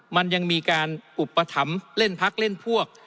มันยังมีการอุปถัมภ์เล่นพักเล่นพวก